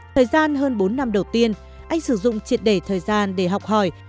thời gian hơn bốn năm đầu tiên anh sử dụng triệt đề thời gian để học hỏi